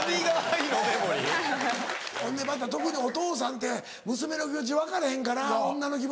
ほんでまた特にお父さんって娘の気持ち分かれへんから女の気持ち。